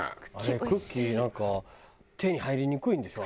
クッキーなんか手に入りにくいんでしょ？